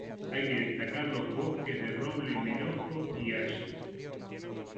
Hay que destacar los bosques de roble melojo y haya.